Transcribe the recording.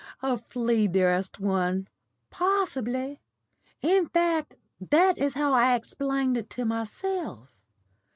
"A flea, dearest one." "Possibly. In fact that is how I explained it to myself.